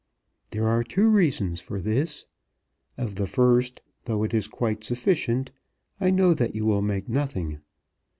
There are two reasons for this. Of the first, though it is quite sufficient, I know that you will make nothing.